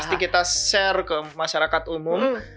mesti kita share ke masyarakat umum